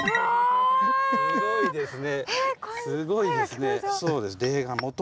すごいですね。